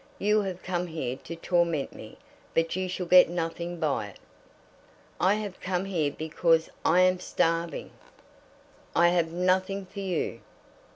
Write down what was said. You have come here to torment me, but you shall get nothing by it." "I have come here because I am starving." "I have nothing for you.